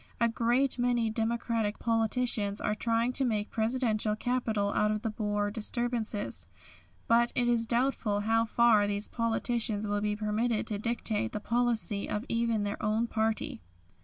A great many Democratic politicians are trying to make Presidential capital out of the Boer disturbances, but it is doubtful how far these politicians will be permitted to dictate the policy of even their own party."